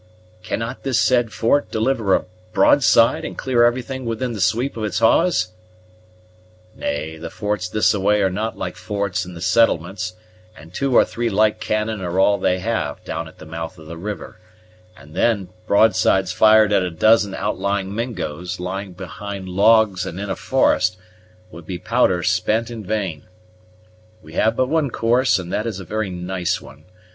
"Cannot this said fort deliver a broadside, and clear everything within the sweep of its hawse?" "Nay, the forts this a way are not like forts in the settlements, and two or three light cannon are all they have down at the mouth of the river; and then, broadsides fired at a dozen outlying Mingoes, lying behind logs and in a forest, would be powder spent in vain. We have but one course, and that is a very nice one.